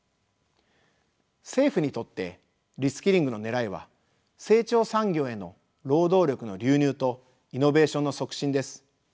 政府にとってリスキングの狙いは成長産業への労働力の流入とイノベーションの促進です。